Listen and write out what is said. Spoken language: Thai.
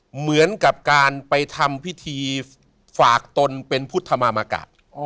เหมือนกับการไปทำพิธีฝากตนเป็นพุทธมามกะ